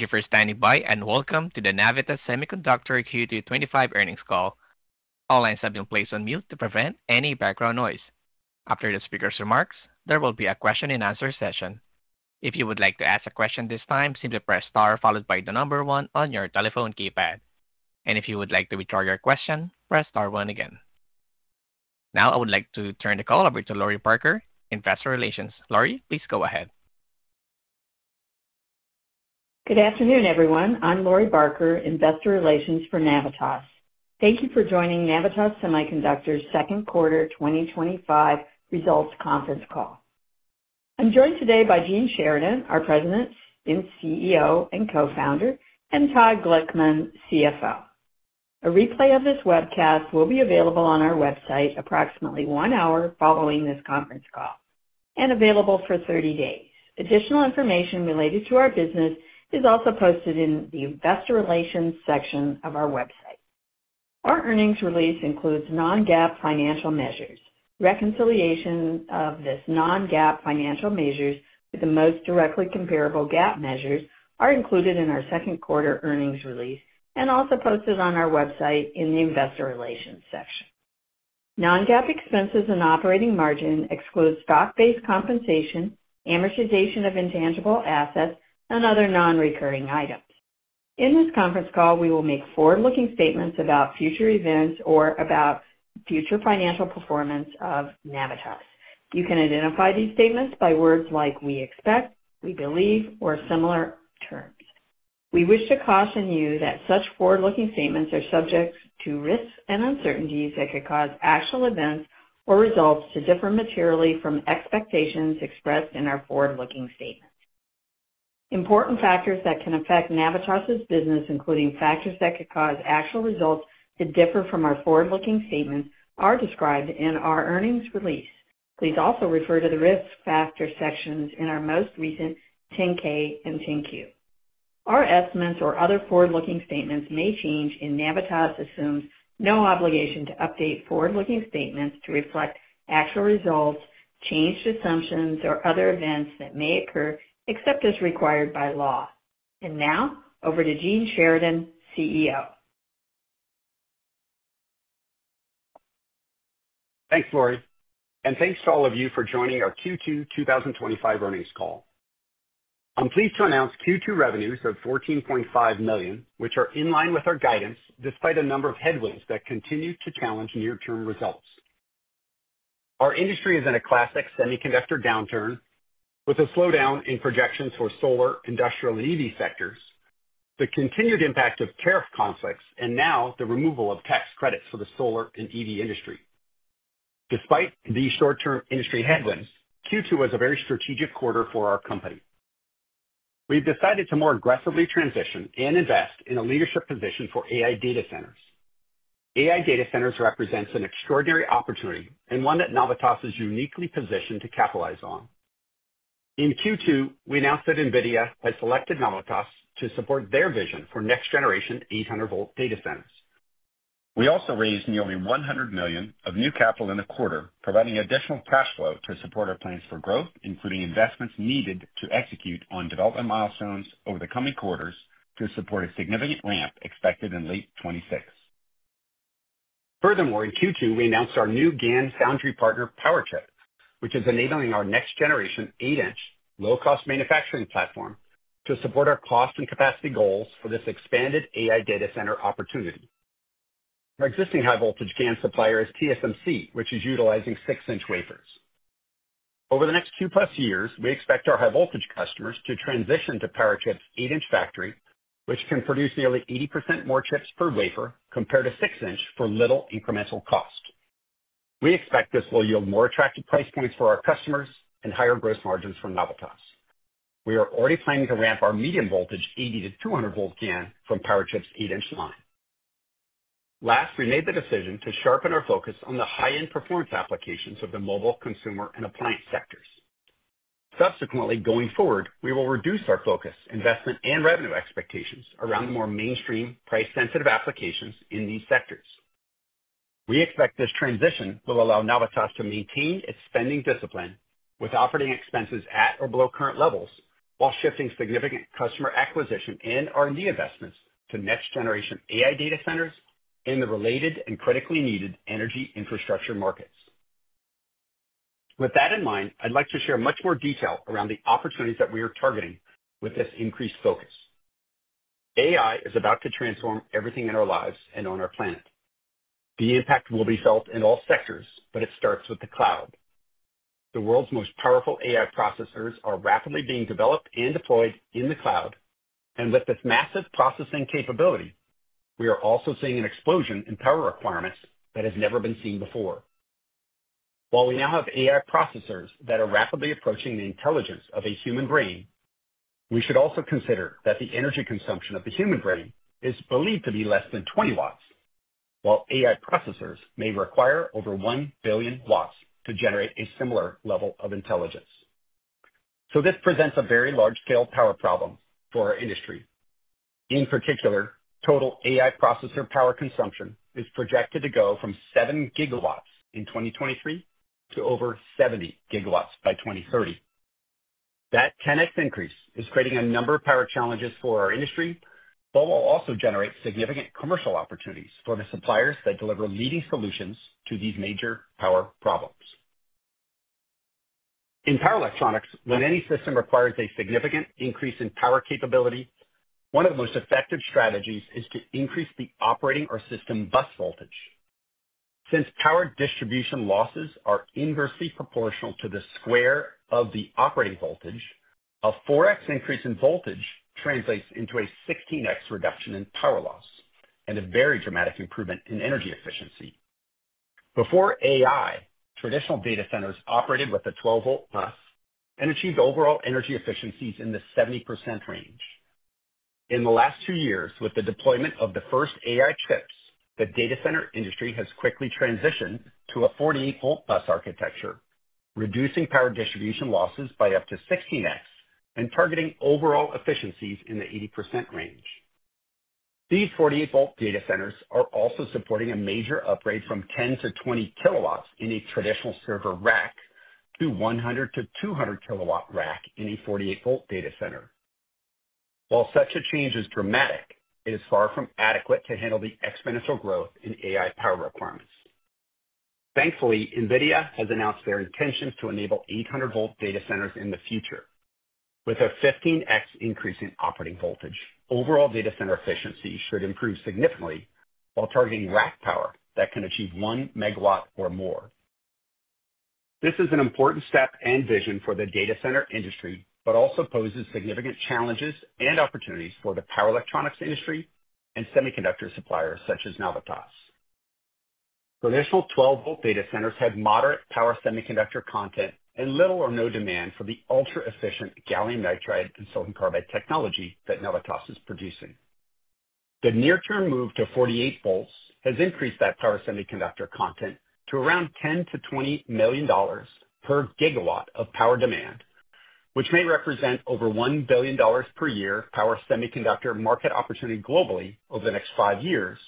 Thank you for standing by and welcome to the Navitas Semiconductor Q2 2025 earnings call. All lines have been placed on mute to prevent any background noise. After the speaker's remarks, there will be a question and answer session. If you would like to ask a question at this time, simply press star followed by the number one on your telephone keypad. If you would like to return your question, press star one again. Now, I would like to turn the call over to Lori Barker, Investor Relations. Lori, please go ahead. Good afternoon, everyone. I'm Lori Barker, Investor Relations for Navitas. Thank you for joining Navitas Semiconductor's second quarter 2025 results conference call. I'm joined today by Gene Sheridan, our President and CEO and Co-Founder, and Todd Glickman, CFO. A replay of this webcast will be available on our website approximately one hour following this conference call and available for 30 days. Additional information related to our business is also posted in the Investor Relations section of our website. Our earnings release includes non-GAAP financial measures. Reconciliation of these non-GAAP financial measures with the most directly comparable GAAP measures is included in our second quarter earnings release and also posted on our website in the Investor Relations section. Non-GAAP expenses and operating margin exclude stock-based compensation, amortization of intangible assets, and other non-recurring items. In this conference call, we will make forward-looking statements about future events or about future financial performance of Navitas. You can identify these statements by words like "we expect," "we believe," or similar terms. We wish to caution you that such forward-looking statements are subject to risks and uncertainties that could cause actual events or results to differ materially from expectations expressed in our forward-looking statements. Important factors that can affect Navitas's business, including factors that could cause actual results to differ from our forward-looking statements, are described in our earnings release. Please also refer to the risk factor sections in our most recent 10-K and 10-Q. Our estimates or other forward-looking statements may change if Navitas assumes no obligation to update forward-looking statements to reflect actual results, changed assumptions, or other events that may occur except as required by law. Now, over to Gene Sheridan, CEO. Thanks, Lori, and thanks to all of you for joining our Q2 2025 earnings call. I'm pleased to announce Q2 revenues of $14.5 million, which are in line with our guidance despite a number of headwinds that continue to challenge near-term results. Our industry is in a classic semiconductor downturn with a slowdown in projections for solar, industrial, and EV sectors, the continued impact of tariff conflicts, and now the removal of tax credits for the solar and EV industry. Despite these short-term industry headwinds, Q2 was a very strategic quarter for our company. We've decided to more aggressively transition and invest in a leadership position for AI data centers. AI data centers represent an extraordinary opportunity and one that Navitas is uniquely positioned to capitalize on. In Q2, we announced that NVIDIA has selected Navitas to support their vision for next-generation 800-volt data centers. We also raised nearly $100 million of new capital in a quarter, providing additional cash flow to support our plans for growth, including investments needed to execute on development milestones over the coming quarters to support a significant ramp expected in late 2026. Furthermore, in Q2, we announced our new GaN foundry partner, PowerTech, which is enabling our next-generation 8-inch low-cost manufacturing platform to support our cost and capacity goals for this expanded AI data center opportunity. Our existing high-voltage GaN supplier is TSMC, which is utilizing six-inch wafers. Over the next 2+ years, we expect our high-voltage customers to transition to PowerTech's eight-inch factory, which can produce nearly 80% more chips per wafer compared to six-inch for little incremental cost. We expect this will yield more attractive price points for our customers and higher gross margins for Navitas. We are already planning to ramp our medium voltage 80-200 volt GaN from PowerTech's eight-inch line. Last, we made the decision to sharpen our focus on the high-end performance applications of the mobile, consumer, and appliance sectors. Subsequently, going forward, we will reduce our focus, investment, and revenue expectations around the more mainstream, price-sensitive applications in these sectors. We expect this transition will allow Navitas to maintain its spending discipline with operating expenses at or below current levels while shifting significant customer acquisition and R&D investments to next-generation AI data centers and the related and critically needed energy infrastructure markets. With that in mind, I'd like to share much more detail around the opportunities that we are targeting with this increased focus. AI is about to transform everything in our lives and on our planet. The impact will be felt in all sectors, but it starts with the cloud. The world's most powerful AI processors are rapidly being developed and deployed in the cloud, and with this massive processing capability, we are also seeing an explosion in power requirements that has never been seen before. While we now have AI processors that are rapidly approaching the intelligence of a human brain, we should also consider that the energy consumption of the human brain is believed to be less than 20 watts, while AI processors may require over 1 billion watts to generate a similar level of intelligence. This presents a very large-scale power problem for our industry. In particular, total AI processor power consumption is projected to go from 7 GW in 2023 to over 70 GW by 2030. That 10x increase is creating a number of power challenges for our industry, but will also generate significant commercial opportunities for the suppliers that deliver leading solutions to these major power problems. In power electronics, when any system requires a significant increase in power capability, one of the most effective strategies is to increase the operating or system bus voltage. Since power distribution losses are inversely proportional to the square of the operating voltage, a 4x increase in voltage translates into a 16x reduction in power loss and a very dramatic improvement in energy efficiency. Before AI, traditional data centers operated with a 12-volt bus and achieved overall energy efficiencies in the 70% range. In the last two years, with the deployment of the first AI chips, the data center industry has quickly transitioned to a 48-volt bus architecture, reducing power distribution losses by up to 16x and targeting overall efficiencies in the 80% range. These 48-volt data centers are also supporting a major upgrade from 10 kW-20 kW in a traditional server rack to 100 kW-200 kW rack in a 48-volt data center. While such a change is dramatic, it is far from adequate to handle the exponential growth in AI power requirements. Thankfully, NVIDIA has announced their intentions to enable 800-volt data centers in the future. With a 15x increase in operating voltage, overall data center efficiency should improve significantly while targeting rack power that can achieve 1 megawatt or more. This is an important step and vision for the data center industry, but also poses significant challenges and opportunities for the power electronics industry and semiconductor suppliers such as Navitas. Traditional 12-volt data centers have moderate power semiconductor content and little or no demand for the ultra-efficient gallium nitride and silicon carbide technology that Navitas is producing. The near-term move to 48 volts has increased that power semiconductor content to around $10 million-$20 million per gigawatt of power demand, which may represent over $1 billion per year of power semiconductor market opportunity globally over the next five years,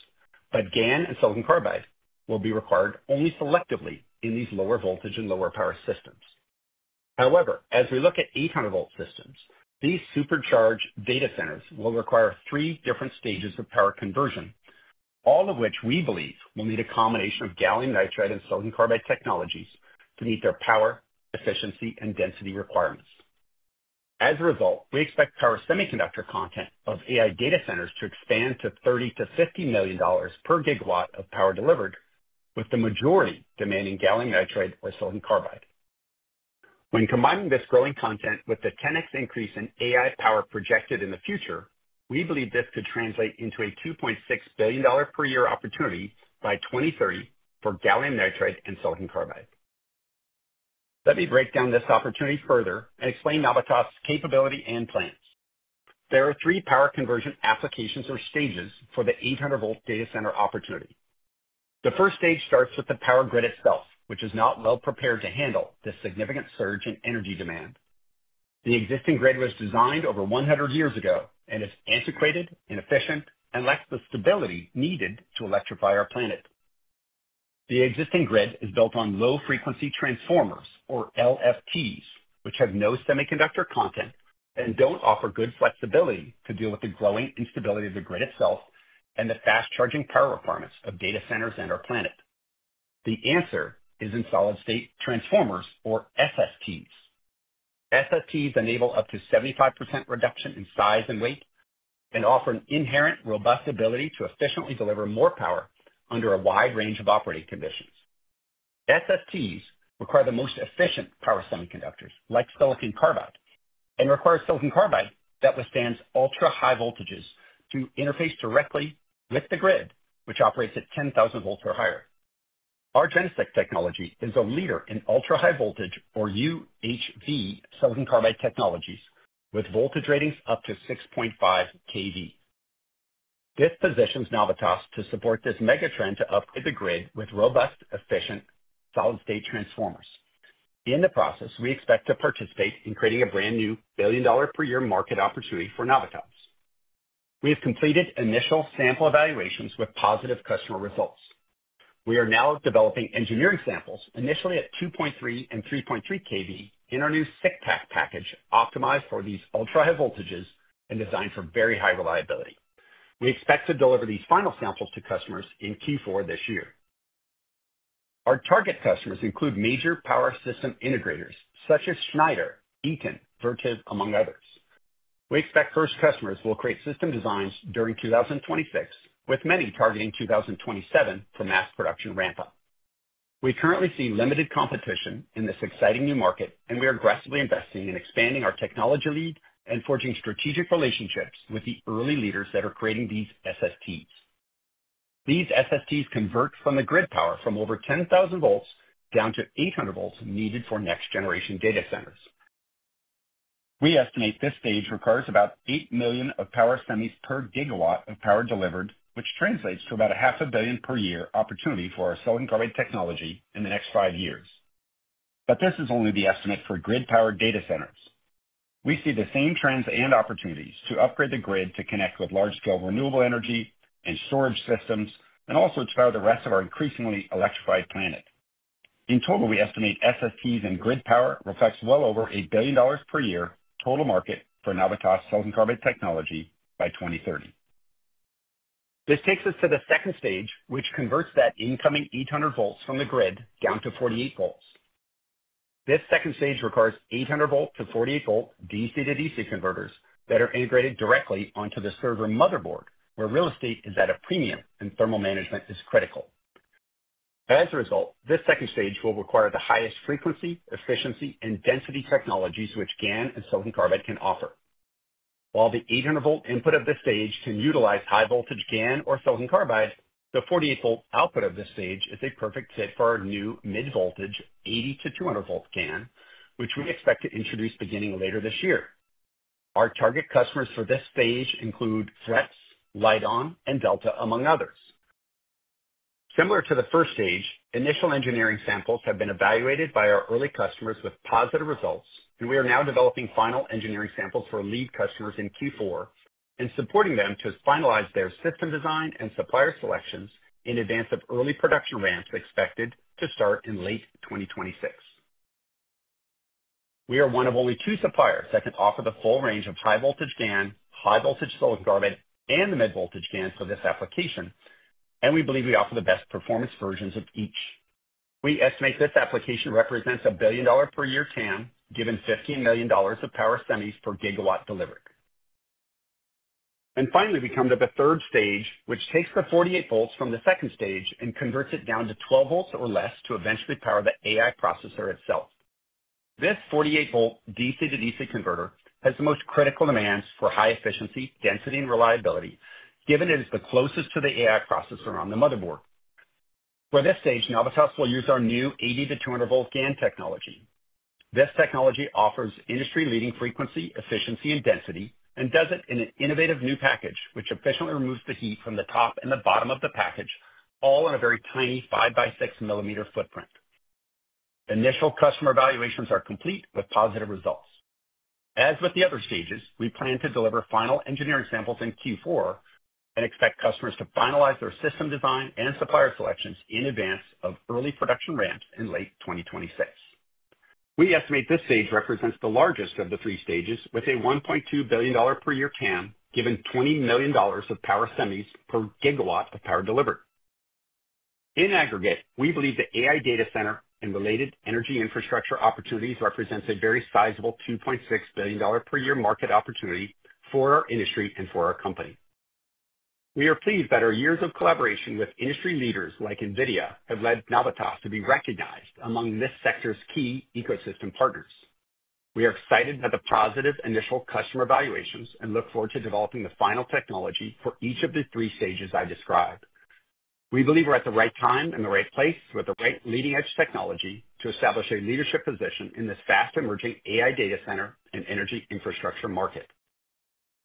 but gallium nitride and silicon carbide will be required only selectively in these lower voltage and lower power systems. However, as we look at 800-volt systems, these supercharged data centers will require three different stages of power conversion, all of which we believe will need a combination of gallium nitride and silicon carbide technologies to meet their power, efficiency, and density requirements. As a result, we expect power semiconductor content of AI data centers to expand to $30 million-$50 million per gigawatt of power delivered, with the majority demanding gallium nitride or silicon carbide. When combining this growing content with the 10x increase in AI power projected in the future, we believe this could translate into a $2.6 billion per year opportunity by 2030 for gallium nitride and silicon carbide. Let me break down this opportunity further and explain Navitas' capability and plans. There are three power conversion applications or stages for the 800-volt data center opportunity. The first stage starts with the power grid itself, which is now well-prepared to handle the significant surge in energy demand. The existing grid was designed over 100 years ago and is antiquated and inefficient and lacks the stability needed to electrify our planet. The existing grid is built on low-frequency transformers, or LFTs, which have no semiconductor content and don't offer good flexibility to deal with the growing instability of the grid itself and the fast-charging power requirements of data centers and our planet. The answer is in solid-state transformers, or SSTs. SSTs enable up to 75% reduction in size and weight and offer an inherent robust ability to efficiently deliver more power under a wide range of operating conditions. SSTs require the most efficient power semiconductors, like silicon carbide, and require silicon carbide that withstands ultra-high voltages to interface directly with the grid, which operates at 10,000 volts or higher. Our GeneSiC technology is a leader in ultra-high voltage, or UHV, silicon carbide technologies with voltage ratings up to 6.5 kV. This positions Navitas to support this megatrend to upgrade the grid with robust, efficient solid-state transformers. In the process, we expect to participate in creating a brand new billion-dollar per year market opportunity for Navitas. We have completed initial sample evaluations with positive customer results. We are now developing engineering samples initially at 2.3 kV and 3.3 kV in our new SiC pack package optimized for these ultra-high voltages and designed for very high reliability. We expect to deliver these final samples to customers in Q4 this year. Our target customers include major power system integrators such as Schneider, Eaton, Vertiv, among others. We expect first customers will create system designs during 2026, with many targeting 2027 for mass production ramp-up. We currently see limited competition in this exciting new market, and we are aggressively investing in expanding our technology lead and forging strategic relationships with the early leaders that are creating these SSTs. These SSTs convert from the grid power from over 10,000 volts down to 800 volts needed for next-generation data centers. We estimate this stage requires about 8 million of power semis per gigawatt of power delivered, which translates to about a half a billion per year opportunity for our silicon carbide technology in the next five years. This is only the estimate for grid-powered data centers. We see the same trends and opportunities to upgrade the grid to connect with large-scale renewable energy and storage systems and also to power the rest of our increasingly electrified planet. In total, we estimate FFTs and grid power reflect well over $1 billion per year total market for Navitas silicon carbide technology by 2030. This takes us to the second stage, which converts that incoming 800 volts from the grid down to 48 volts. This second stage requires 800-volt to 48-volt DC to DC converters that are integrated directly onto the server motherboard, where real estate is at a premium and thermal management is critical. As a result, this second stage will require the highest frequency, efficiency, and density technologies which GaN and silicon carbide can offer. While the 800-volt input of this stage can utilize high-voltage GaN or silicon carbide, the 48-volt output of this stage is a perfect fit for our new mid-voltage 80 volts-200 volts GaN, which we expect to introduce beginning later this year. Our target customers for this stage include Flex, Lite-On, and Delta, among others. Similar to the first stage, initial engineering samples have been evaluated by our early customers with positive results, and we are now developing final engineering samples for lead customers in Q4 and supporting them to finalize their system design and supplier selections in advance of early production ramps expected to start in late 2026. We are one of only two suppliers that can offer the full range of high-voltage GaN, high-voltage silicon carbide, and the mid-voltage GaN for this application, and we believe we offer the best performance versions of each. We estimate this application represents a $1 billion per year TAM, given $15 million of power semis per gigawatt delivered. Finally, we come to the third stage, which takes the 48 volts from the second stage and converts it down to 12 volts or less to eventually power the AI processor itself. This 48-volt DC to DC converter has the most critical demands for high efficiency, density, and reliability, given it is the closest to the AI processor on the motherboard. For this stage, Navitas will use our new 80-200-volt GaN technology. This technology offers industry-leading frequency, efficiency, and density and does it in an innovative new package, which efficiently removes the heat from the top and the bottom of the package, all in a very tiny 5mL by 6 mL footprint. Initial customer evaluations are complete with positive results. As with the other stages, we plan to deliver final engineering samples in Q4 and expect customers to finalize their system design and supplier selections in advance of early production ramp in late 2026. We estimate this stage represents the largest of the three stages with a $1.2 billion per year TAM, given $20 million of power semis per gigawatt of power delivered. In aggregate, we believe the AI data center and related energy infrastructure opportunities represent a very sizable $2.6 billion per year market opportunity for our industry and for our company. We are pleased that our years of collaboration with industry leaders like NVIDIA have led Navitas to be recognized among this sector's key ecosystem partners. We are excited at the positive initial customer evaluations and look forward to developing the final technology for each of the three stages I described. We believe we're at the right time and the right place with the right leading-edge technology to establish a leadership position in this fast-emerging AI data center and energy infrastructure market.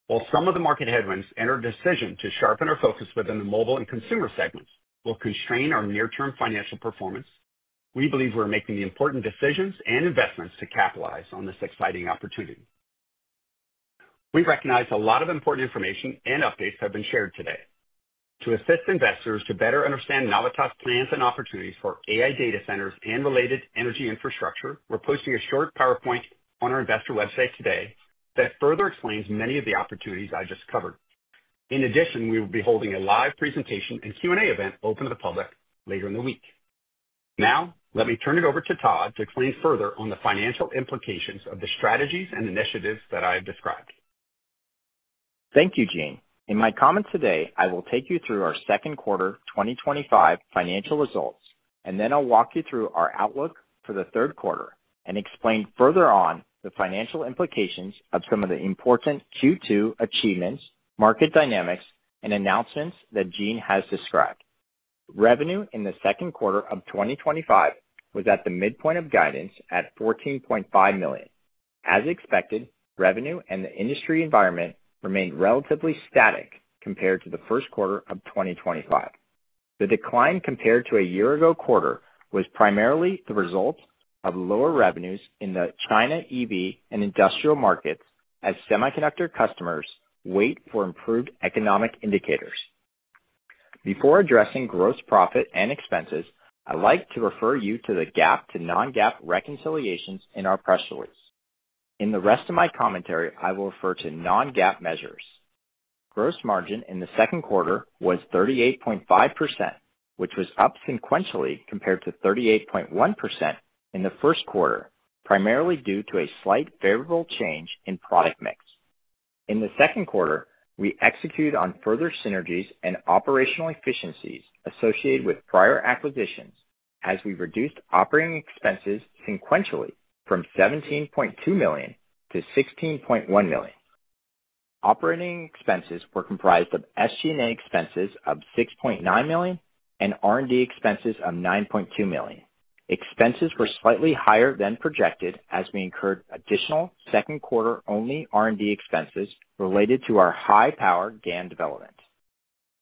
While some of the market headwinds and our decision to sharpen our focus within the mobile and consumer segments will constrain our near-term financial performance, we believe we're making the important decisions and investments to capitalize on this exciting opportunity. We recognize a lot of important information and updates have been shared today. To assist investors to better understand Navitas' plans and opportunities for AI data centers and related energy infrastructure, we're posting a short PowerPoint on our investor website today that further explains many of the opportunities I just covered. In addition, we will be holding a live presentation and Q&A event open to the public later in the week. Now, let me turn it over to Todd to explain further on the financial implications of the strategies and initiatives that I have described. Thank you, Gene. In my comment today, I will take you through our second quarter 2025 financial results, and then I'll walk you through our outlook for the third quarter and explain further on the financial implications of some of the important Q2 achievements, market dynamics, and announcements that Gene has described. Revenue in the second quarter of 2025 was at the midpoint of guidance at $14.5 million. As expected, revenue and the industry environment remain relatively static compared to the first quarter of 2025. The decline compared to a year-ago quarter was primarily the result of lower revenues in the China EV and industrial markets as semiconductor customers wait for improved economic indicators. Before addressing gross profit and expenses, I'd like to refer you to the GAAP to non-GAAP reconciliations in our press release. In the rest of my commentary, I will refer to non-GAAP measures. Gross margin in the second quarter was 38.5%, which was up sequentially compared to 38.1% in the first quarter, primarily due to a slight variable change in product mix. In the second quarter, we executed on further synergies and operational efficiencies associated with prior acquisitions as we reduced operating expenses sequentially from $17.2 million to $16.1 million. Operating expenses were comprised of SG&A expenses of $6.9 million and R&D expenses of $9.2 million. Expenses were slightly higher than projected as we incurred additional second-quarter-only R&D expenses related to our high-power GaN development.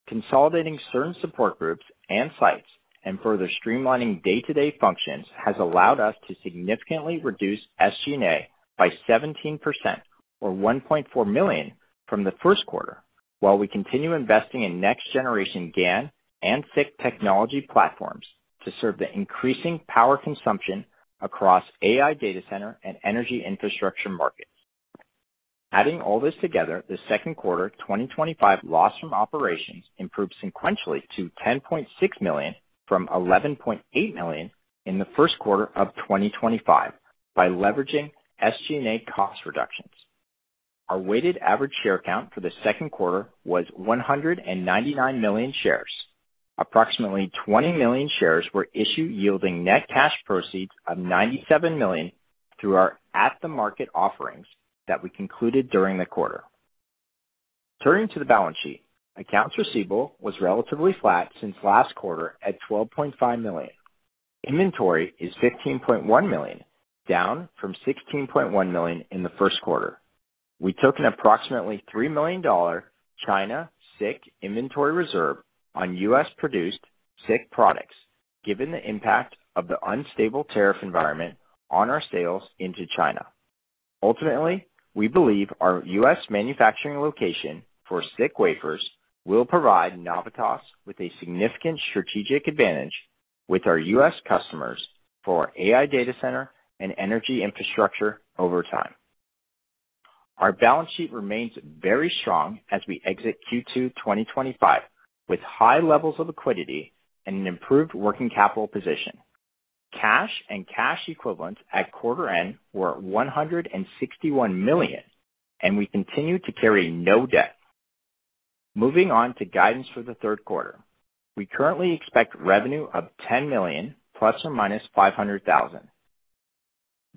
Consolidating certain support groups and sites and further streamlining day-to-day functions has allowed us to significantly reduce SG&A by 17%, or $1.4 million from the first quarter, while we continue investing in next-generation GaN and SiC technology platforms to serve the increasing power consumption across AI data center and energy infrastructure markets. Adding all this together, the second quarter 2025 loss from operations improved sequentially to $10.6 million from $11.8 million in the first quarter of 2025 by leveraging SG&A cost reductions. Our weighted average share count for the second quarter was 199 million shares. Approximately 20 million shares were issued, yielding net cash proceeds of $97 million through our at-the-market offerings that we concluded during the quarter. Turning to the balance sheet, accounts receivable was relatively flat since last quarter at $12.5 million. Inventory is $15.1 million, down from $16.1 million in the first quarter. We took an approximately $3 million China SiC inventory reserve on U.S.-produced SiC products, given the impact of the unstable tariff environment on our sales into China. Ultimately, we believe our U.S. manufacturing location for SiC wafers will provide Navitas with a significant strategic advantage with our U.S. customers for our AI data center and energy infrastructure over time. Our balance sheet remains very strong as we exit Q2 2025 with high levels of liquidity and an improved working capital position. Cash and cash equivalents at quarter end were at $161 million, and we continue to carry no debt. Moving on to guidance for the third quarter, we currently expect revenue of $10 million ± $500,000.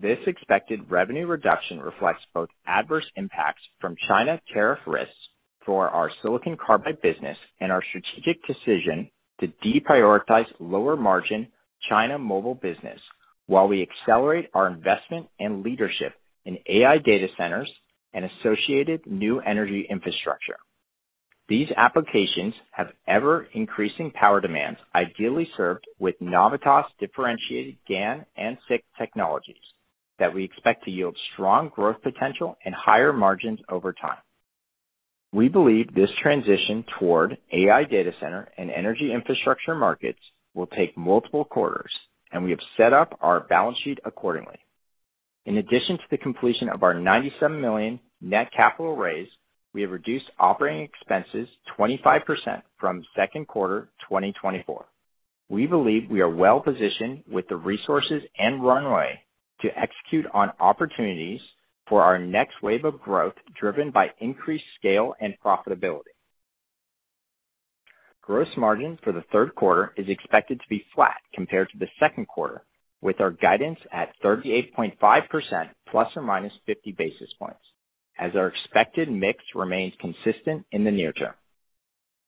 This expected revenue reduction reflects both adverse impacts from China tariff risks for our silicon carbide business and our strategic decision to deprioritize lower margin China mobile business while we accelerate our investment and leadership in AI data centers and associated new energy infrastructure. These applications have ever-increasing power demands ideally served with Navitas' differentiated GaN and SiC technologies that we expect to yield strong growth potential and higher margins over time. We believe this transition toward AI data center and energy infrastructure markets will take multiple quarters, and we have set up our balance sheet accordingly. In addition to the completion of our $97 million net capital raise, we have reduced operating expenses 25% from second quarter 2024. We believe we are well positioned with the resources and runway to execute on opportunities for our next wave of growth driven by increased scale and profitability. Gross margin for the third quarter is expected to be flat compared to the second quarter, with our guidance at 38.5% ± 50 basis points, as our expected mix remains consistent in the near term.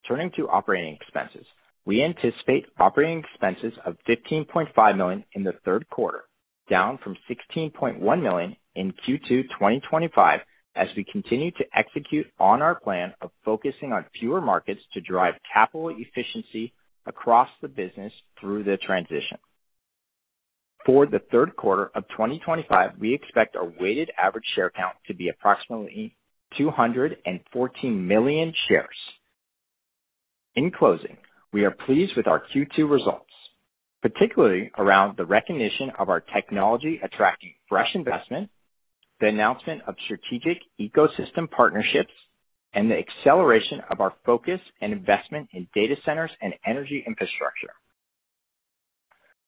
Turning to operating expenses, we anticipate operating expenses of $15.5 million in the third quarter, down from $16.1 million in Q2 2025, as we continue to execute on our plan of focusing on fewer markets to drive capital efficiency across the business through the transition. For the third quarter of 2025, we expect our weighted average share count to be approximately 214 million shares. In closing, we are pleased with our Q2 results, particularly around the recognition of our technology attracting fresh investment, the announcement of strategic ecosystem partnerships, and the acceleration of our focus and investment in data centers and energy infrastructure.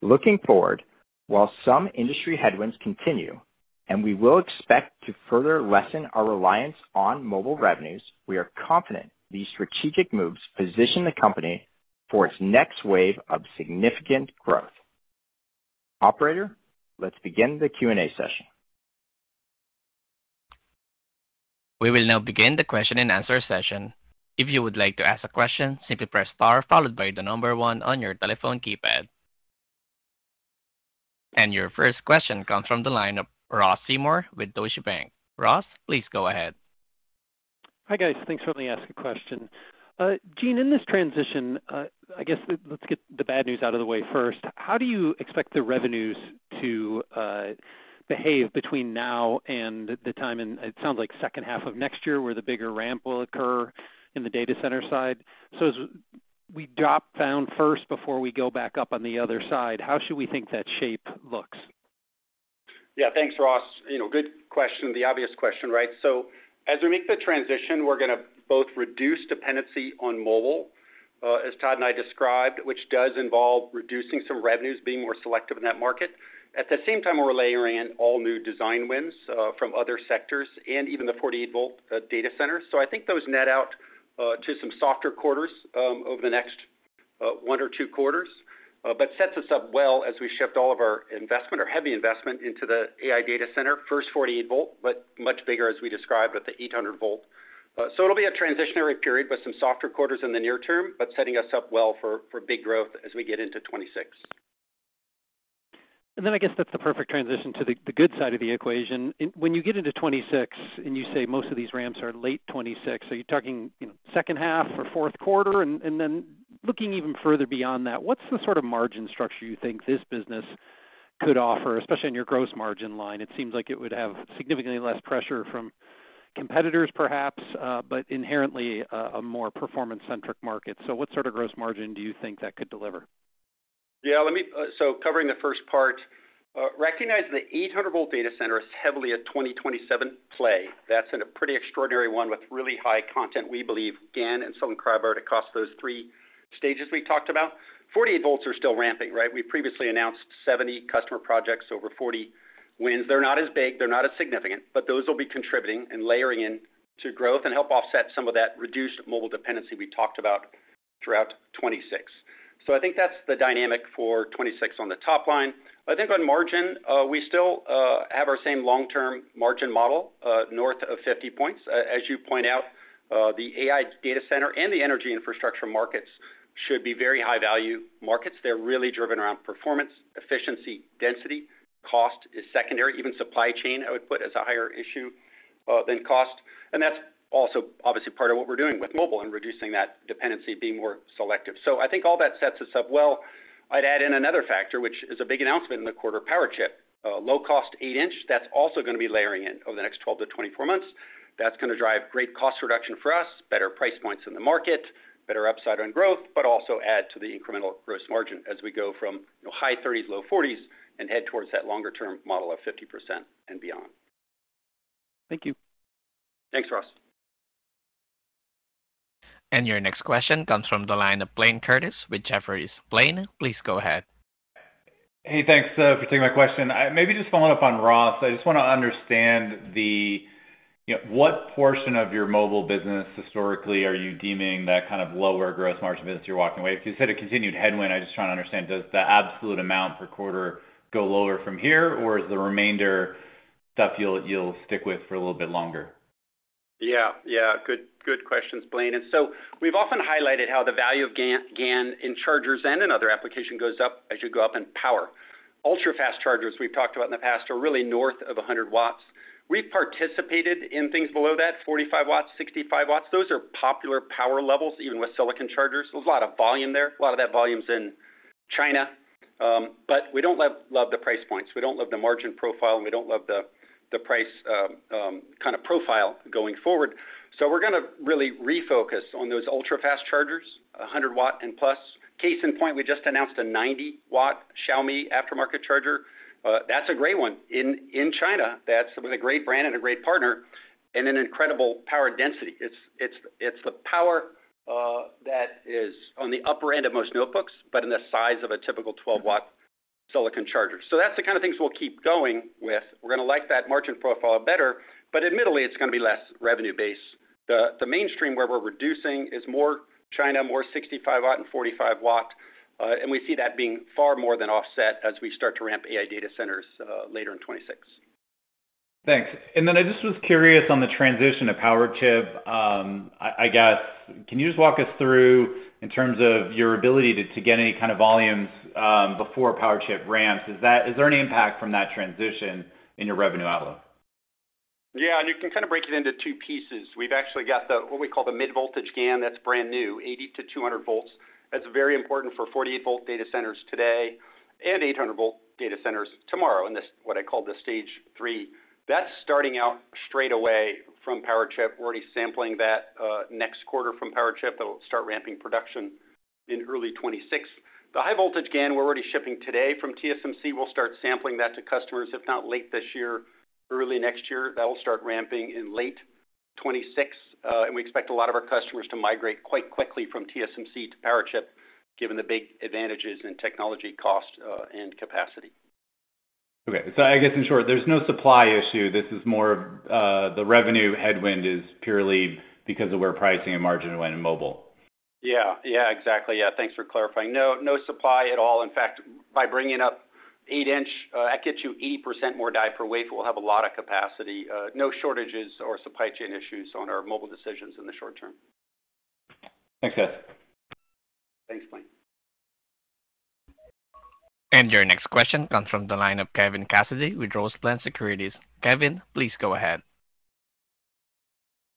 Looking forward, while some industry headwinds continue and we will expect to further lessen our reliance on mobile revenues, we are confident these strategic moves position the company for its next wave of significant growth. Operator, let's begin the Q&A session. We will now begin the question-and-answer session. If you would like to ask a question, simply press Star followed by the number one on your telephone keypad. Your first question comes from the line of Ross Seymore with Deutsche Bank. Ross, please go ahead. Hi guys, thanks for letting me ask a question. Gene, in this transition, I guess let's get the bad news out of the way first. How do you expect the revenues to behave between now and the time, and it sounds like second half of next year where the bigger ramp will occur in the data center side? As we drop down first before we go back up on the other side, how should we think that shape looks? Yeah, thanks Ross. Good question, the obvious question, right? As we make the transition, we're going to both reduce dependency on mobile, as Todd and I described, which does involve reducing some revenues, being more selective in that market. At the same time, we're layering in all new design wins from other sectors and even the 48-volt data centers. I think those net out to some softer quarters over the next one or two quarters, but sets us up well as we shift all of our investment, our heavy investment into the AI data center, first 48 volt, but much bigger as we described at the 800 volt. It will be a transitionary period with some softer quarters in the near term, but setting us up well for big growth as we get into 2026. I guess that's the perfect transition to the good side of the equation. When you get into 2026 and you say most of these ramps are late 2026, are you talking second half or fourth quarter? Looking even further beyond that, what's the sort of margin structure you think this business could offer, especially on your gross margin line? It seems like it would have significantly less pressure from competitors perhaps, but inherently a more performance-centric market. What sort of gross margin do you think that could deliver? Let me, so covering the first part, recognize the 800-volt data center is heavily a 2027 play. That's a pretty extraordinary one with really high content. We believe GaN and silicon carbide across those three stages we've talked about. 48 volts are still ramping, right? We previously announced 70 customer projects, over 40 wins. They're not as big, they're not as significant, but those will be contributing and layering in to growth and help offset some of that reduced mobile dependency we talked about throughout 2026. I think that's the dynamic for 2026 on the top line. I think on margin, we still have our same long-term margin model north of 50%. As you point out, the AI data center and the energy infrastructure markets should be very high-value markets. They're really driven around performance, efficiency, density. Cost is secondary. Even supply chain, I would put as a higher issue than cost. That's also obviously part of what we're doing with mobile and reducing that dependency, being more selective. I think all that sets us up well. I'd add in another factor, which is a big announcement in the quarter, PowerTech, low-cost 8-inch that's also going to be layering in over the next 12-24 months. That's going to drive great cost reduction for us, better price points in the market, better upside on growth, but also add to the incremental gross margin as we go from high 30%s, low 40%s, and head towards that longer-term model of 50% and beyond. Thank you. Thanks Ross. Your next question comes from the line of Blayne Curtis with Jefferies. Blayne, please go ahead. Hey, thanks for taking my question. Maybe just following up on Ross, I just want to understand what portion of your mobile business historically are you deeming that kind of lower gross margin business you're walking away from? Because you said a continued headwind, I just want to understand, does the absolute amount per quarter go lower from here, or is the remainder stuff you'll stick with for a little bit longer? Yeah, good questions, Blayne. We've often highlighted how the value of GaN in chargers and in other applications goes up as you go up in power. Ultra-fast chargers we've talked about in the past are really north of 100 watts. We've participated in things below that, 45 watts, 65 watts. Those are popular power levels, even with silicon chargers. There's a lot of volume there. A lot of that volume's in China. We don't love the price points. We don't love the margin profile. We don't love the price kind of profile going forward. We're going to really refocus on those ultra-fast chargers, 100 watt and plus. Case in point, we just announced a 90 watt Xiaomi aftermarket charger. That's a great one in China. That's with a great brand and a great partner and an incredible power density. It's the power that is on the upper end of most notebooks, but in the size of a typical 12 watt silicon charger. That's the kind of things we'll keep going with. We're going to like that margin profile better, but admittedly it's going to be less revenue-based. The mainstream where we're reducing is more China, more 65 watt and 45 watt. We see that being far more than offset as we start to ramp AI data centers later in 2026. Thanks. I just was curious on the transition to PowerTech. Can you just walk us through in terms of your ability to get any kind of volumes before PowerTech ramps? Is there any impact from that transition in your revenue outlook? Yeah, you can kind of break it into two pieces. We've actually got what we call the mid-voltage GaN that's brand new, 80-200 volts. That's very important for 48-volt data centers today and 800-volt data centers tomorrow in this, what I call the stage three. That's starting out straight away from PowerTech. We're already sampling that next quarter from PowerTech. That'll start ramping production in early 2026. The high-voltage GaN we're already shipping today from TSMC. We'll start sampling that to customers, if not late this year, early next year. That'll start ramping in late 2026. We expect a lot of our customers to migrate quite quickly from TSMC to PowerTech, given the big advantages in technology, cost, and capacity. Okay, so I guess in short, there's no supply issue. This is more of the revenue headwind is purely because of where pricing and margin went in mobile. Yeah, exactly. Thanks for clarifying. No, no supply at all. In fact, by bringing up 8-inch, that gets you 80% more die per wafer. We'll have a lot of capacity. No shortages or supply chain issues on our mobile decisions in the short term. Thanks, guys. Thanks, Blayne. Your next question comes from the line of Kevin Cassidy with Roseland Securities. Kevin, please go ahead.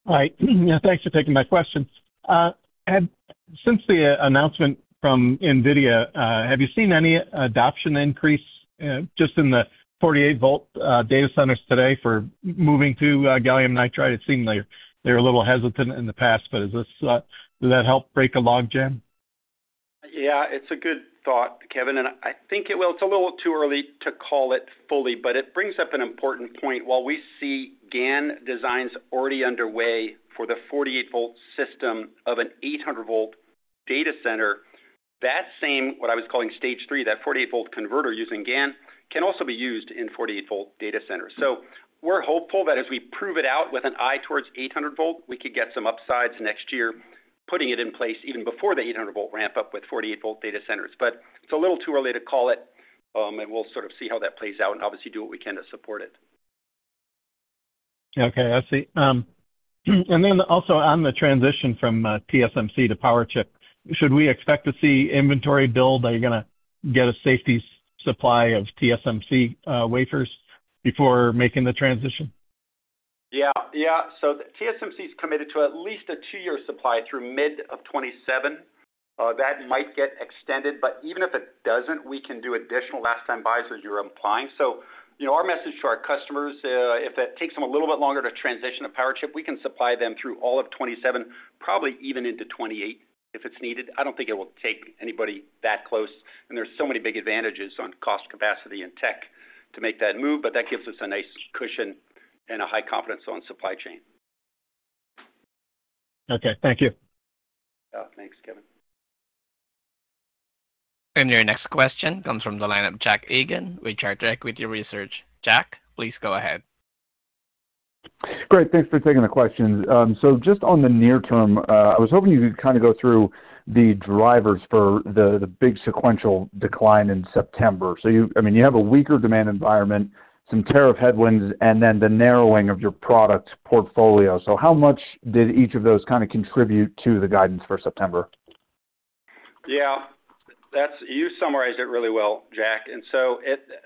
All right. Yeah, thanks for taking my question. Since the announcement from NVIDIA, have you seen any adoption increase just in the 48-volt data centers today for moving to gallium nitride? It seemed like they were a little hesitant in the past. Does that help break a log, Gene? Yeah, it's a good thought, Kevin. I think it will, it's a little too early to call it fully, but it brings up an important point. While we see GaN designs already underway for the 48-volt system of an 800-volt data center, that same, what I was calling stage three, that 48-volt converter using GaN can also be used in 48-volt data centers. We're hopeful that as we prove it out with an eye towards 800 volt, we could get some upsides next year, putting it in place even before the 800-volt ramp up with 48-volt data centers. It's a little too early to call it. We'll sort of see how that plays out and obviously do what we can to support it. Okay, I see. Also, on the transition from TSMC to PowerTech, should we expect to see inventory build? Are you going to get a safety supply of TSMC wafers before making the transition? Yeah, yeah. TSMC is committed to at least a two-year supply through mid of 2027. That might get extended, but even if it doesn't, we can do additional last-time buys as you're implying. Our message to our customers, if it takes them a little bit longer to transition to PowerTech, we can supply them through all of 2027, probably even into 2028 if it's needed. I don't think it will take anybody that close. There are so many big advantages on cost, capacity, and tech to make that move, but that gives us a nice cushion and a high confidence on supply chain. Okay, thank you. Yeah, thanks, Kevin. Your next question comes from the line of Jack Egan with Charter Equity Research. Jack, please go ahead. Great, thanks for taking the question. Just on the near term, I was hoping you could kind of go through the drivers for the big sequential decline in September. You have a weaker demand environment, some tariff headwinds, and then the narrowing of your product portfolio. How much did each of those kind of contribute to the guidance for September? Yeah, you summarized it really well, Jack.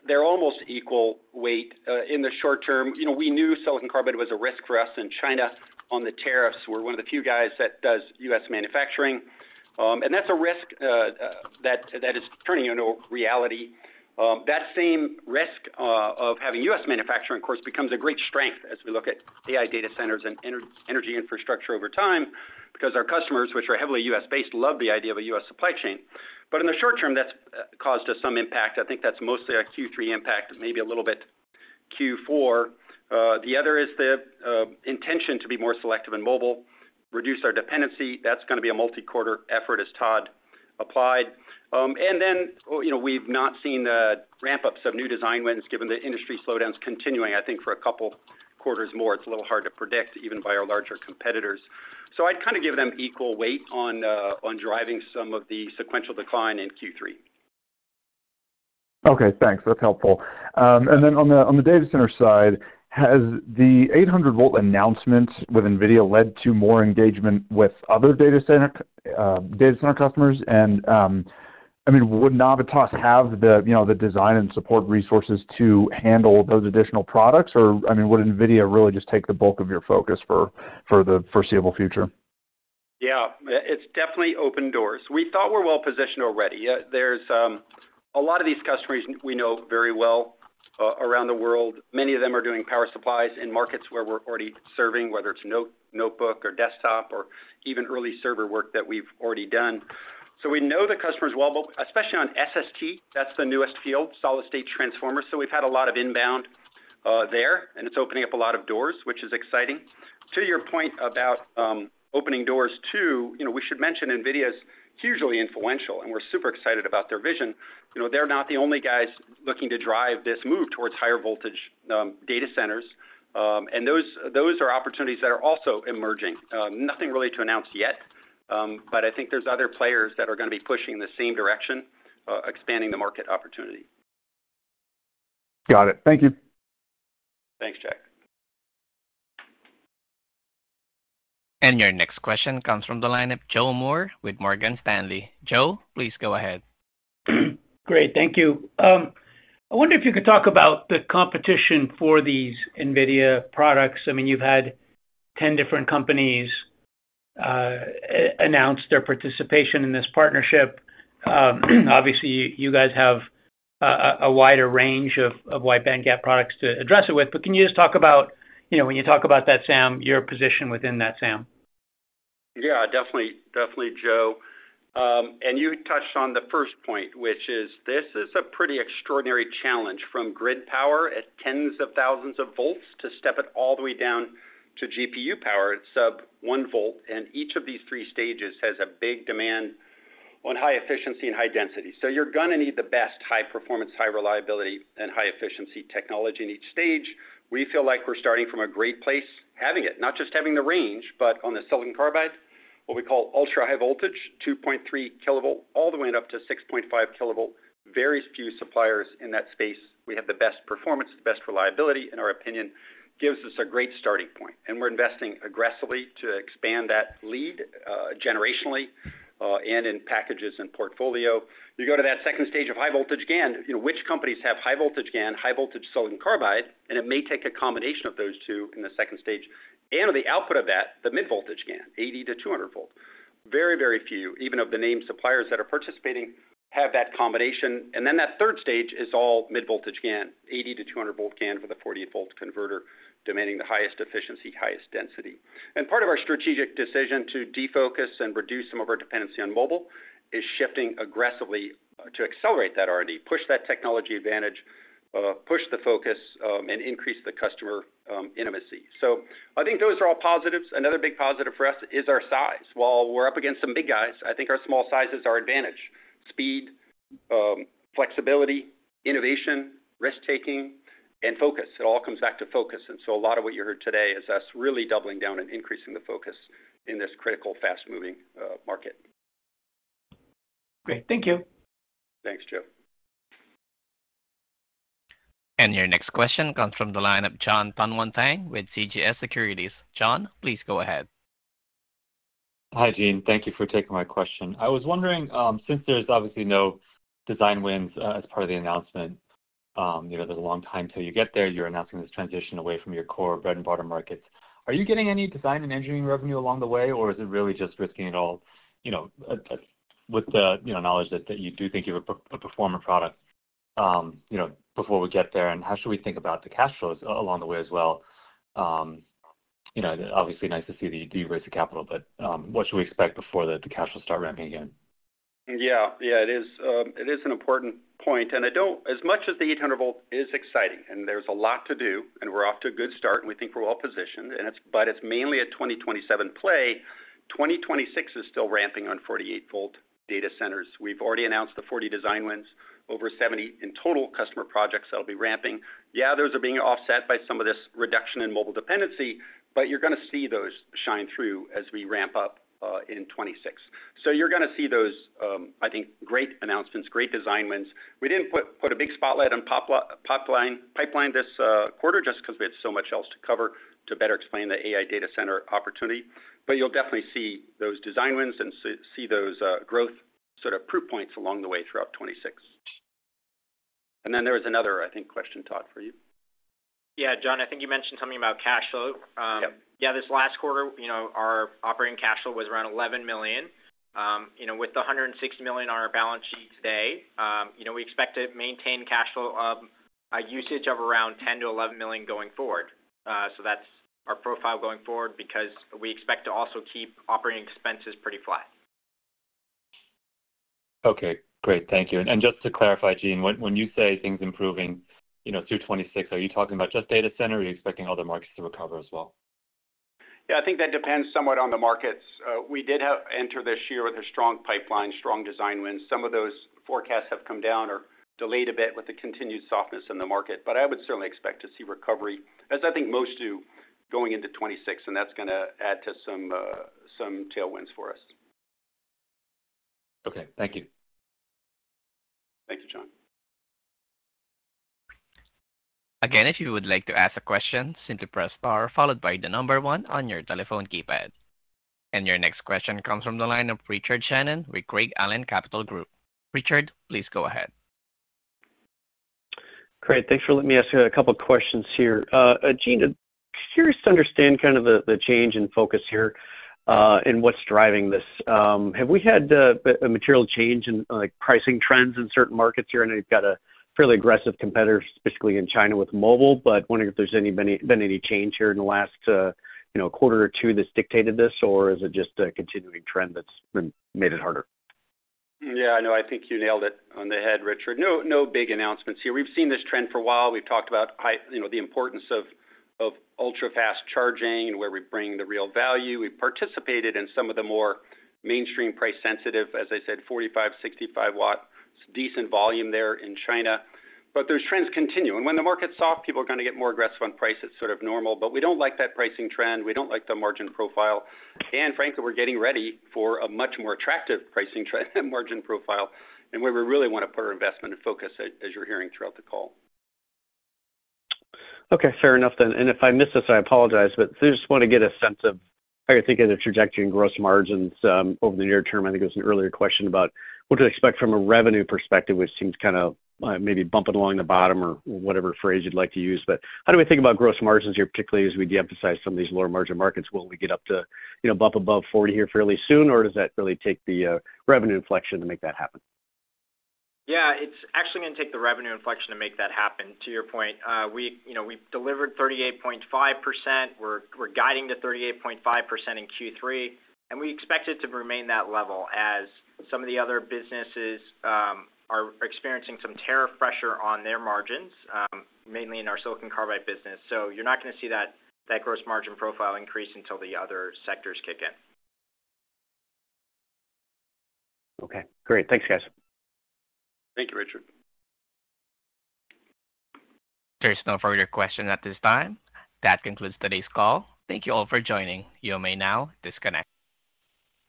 They're almost equal weight in the short term. We knew silicon carbide was a risk for us in China on the tariffs. We're one of the few guys that does U.S. manufacturing, and that's a risk that is turning into reality. That same risk of having U.S. manufacturing, of course, becomes a great strength as we look at AI data centers and energy infrastructure over time because our customers, which are heavily U.S.-based, love the idea of a U.S. supply chain. In the short term, that's caused us some impact. I think that's mostly a Q3 impact, maybe a little bit Q4. The other is the intention to be more selective in mobile, reduce our dependency. That's going to be a multi-quarter effort as Todd applied. We've not seen the ramp-ups of new design wins given the industry slowdowns continuing, I think, for a couple of quarters more. It's a little hard to predict even by our larger competitors. I'd kind of give them equal weight on driving some of the sequential decline in Q3. Okay, thanks. That's helpful. On the data center side, has the 800-volt announcement with NVIDIA led to more engagement with other data center customers? Would Navitas have the, you know, the design and support resources to handle those additional products? Would NVIDIA really just take the bulk of your focus for the foreseeable future? Yeah, it's definitely opened doors. We thought we're well-positioned already. There's a lot of these customers we know very well around the world. Many of them are doing power supplies in markets where we're already serving, whether it's a notebook or desktop or even early server work that we've already done. We know the customers well, especially on SST, that's the newest field, solid-state transformers. We've had a lot of inbound there, and it's opening up a lot of doors, which is exciting. To your point about opening doors too, we should mention NVIDIA is hugely influential, and we're super excited about their vision. They're not the only guys looking to drive this move towards higher voltage data centers. Those are opportunities that are also emerging. Nothing really to announce yet, but I think there's other players that are going to be pushing in the same direction, expanding the market opportunity. Got it. Thank you. Thanks, Jack. Your next question comes from the line of Joe Moore with Morgan Stanley. Joe, please go ahead. Great, thank you. I wonder if you could talk about the competition for these NVIDIA products. I mean, you've had 10 different companies announce their participation in this partnership. Obviously, you guys have a wider range of wideband GaN products to address it with, but can you just talk about, you know, when you talk about that, your position within that? Yeah, definitely, definitely Joe. You touched on the first point, which is this is a pretty extraordinary challenge from grid power at tens of thousands of volts to step it all the way down to GPU power at sub one volt. Each of these three stages has a big demand on high efficiency and high density. You are going to need the best high performance, high reliability, and high efficiency technology in each stage. We feel like we're starting from a great place having it, not just having the range, but on the silicon carbide, what we call ultra-high voltage, 2.3 kV, all the way up to 6.5 kV. Very few suppliers in that space. We have the best performance, the best reliability, in our opinion, gives us a great starting point. We're investing aggressively to expand that lead generationally and in packages and portfolio. You go to that second stage of high voltage GaN, you know, which companies have high voltage GaN, high voltage silicon carbide, and it may take a combination of those two in the second stage. At the output of that, the mid-voltage GaN, 80-200 volt. Very, very few, even of the name suppliers that are participating, have that combination. That third stage is all mid-voltage GaN, 80-200 volt GaN for the 48-volt converter, demanding the highest efficiency, highest density. Part of our strategic decision to defocus and reduce some of our dependency on mobile is shifting aggressively to accelerate that R&D, push that technology advantage, push the focus, and increase the customer intimacy. I think those are all positives. Another big positive for us is our size. While we're up against some big guys, I think our small size is our advantage. Speed, flexibility, innovation, risk-taking, and focus. It all comes back to focus. A lot of what you heard today is us really doubling down and increasing the focus in this critical fast-moving market. Great, thank you. Thanks, Joe. Your next question comes from the line of Jon Tanwanteng with CJS Securities. Jon, please go ahead. Hi, Gene. Thank you for taking my question. I was wondering, since there's obviously no design wins as part of the announcement, there's a long time till you get there. You're announcing this transition away from your core bread and butter markets. Are you getting any design and engineering revenue along the way, or is it really just risking it all with the knowledge that you do think you're a performing product before we get there? How should we think about the cash flows along the way as well? Obviously nice to see the raise of capital, but what should we expect before the cash will start ramping again? Yeah, it is. It is an important point. I don't, as much as the 800-volt is exciting, and there's a lot to do, and we're off to a good start, and we think we're well positioned, but it's mainly a 2027 play. 2026 is still ramping on 48-volt data centers. We've already announced the 40 design wins, over 70 in total customer projects that'll be ramping. Those are being offset by some of this reduction in mobile dependency, but you're going to see those shine through as we ramp up in 2026. You're going to see those, I think, great announcements, great design wins. We didn't put a big spotlight on pipeline this quarter just because we had so much else to cover to better explain the AI data center opportunity. You'll definitely see those design wins and see those growth sort of proof points along the way throughout 2026. There was another, I think, question, Todd, for you. Yeah, Jon, I think you mentioned something about cash flow. This last quarter, our operating cash flow was around $11 million. With the $160 million on our balance sheet today, we expect to maintain cash flow usage of around $10 million-$11 million going forward. That's our profile going forward because we expect to also keep operating expenses pretty flat. Okay, great, thank you. Just to clarify, Gene, when you say things improving, you know, through 2026, are you talking about just data center or are you expecting other markets to recover as well? Yeah, I think that depends somewhat on the markets. We did enter this year with a strong pipeline, strong design wins. Some of those forecasts have come down or delayed a bit with the continued softness in the market. I would certainly expect to see recovery, as I think most do, going into 2026. That's going to add to some tailwinds for us. Okay, thank you. Thank you, Jon. Again, if you would like to ask a question, simply press star followed by the number one on your telephone keypad. Your next question comes from the line of Richard Shannon with Craig-Hallum Capital Group. Richard, please go ahead. Creat, thanks for letting me ask a couple of questions here. Gene, I'm curious to understand kind of the change in focus here and what's driving this. Have we had a material change in like pricing trends in certain markets here? I know you've got a fairly aggressive competitor, specifically in China with mobile, but wondering if there's been any change here in the last quarter or two that's dictated this, or is it just a continuing trend that's made it harder? Yeah, I think you nailed it on the head, Richard. No big announcements here. We've seen this trend for a while. We've talked about the importance of ultra-fast charging and where we bring the real value. We've participated in some of the more mainstream price-sensitive, as I said, 45 watt, 65 watt. It's decent volume there in China. Those trends continue. When the market's soft, people are going to get more aggressive on price. It's sort of normal. We don't like that pricing trend. We don't like the margin profile. Frankly, we're getting ready for a much more attractive pricing trend and margin profile and where we really want to put our investment and focus, as you're hearing throughout the call. Okay, fair enough. If I missed this, I apologize, but I just want to get a sense of how you're thinking of the trajectory and gross margins over the near term. I think it was an earlier question about what to expect from a revenue perspective, which seems kind of maybe bumping along the bottom or whatever phrase you'd like to use. How do we think about gross margins here, particularly as we de-emphasize some of these lower margin markets? Will we get up to, you know, bump above 40% here fairly soon, or does that really take the revenue inflection to make that happen? Yeah, it's actually going to take the revenue inflection to make that happen. To your point, we, you know, we've delivered 38.5%. We're guiding to 38.5% in Q3, and we expect it to remain that level as some of the other businesses are experiencing some tariff pressure on their margins, mainly in our silicon carbide business. You're not going to see that gross margin profile increase until the other sectors kick in. Okay, great. Thanks, guys. Thank you, Richard. There are no further questions at this time. That concludes today's call. Thank you all for joining. You may now disconnect.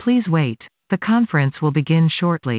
Please wait. The conference will begin shortly.